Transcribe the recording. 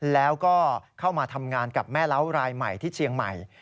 แล้วก็เข้ามาทำงานกับแม่เล้ารายใหม่ที่เชียงใหม่